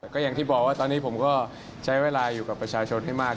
ก็อย่างที่บอกว่าตอนนี้ผมก็ใช้เวลาอยู่กับประชาชนให้มาก